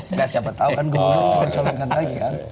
nggak siapa tahu kan gubernur akan mencalonkan lagi kan